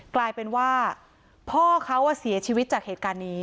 กลายเป็นว่าพ่อเขาเสียชีวิตจากเหตุการณ์นี้